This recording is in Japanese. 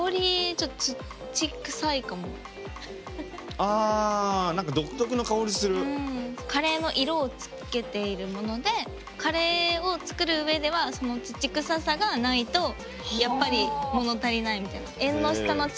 結構あ何かカレーの色をつけているものでカレーを作る上ではその土臭さがないとやっぱり物足りないみたいな。